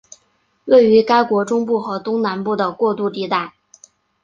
位于该国中部和东南部的过渡地带。